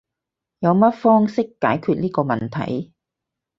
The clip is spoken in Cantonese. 有乜方式解決呢個問題？